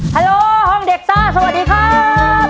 โลห้องเด็กซ่าสวัสดีครับ